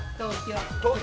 東京。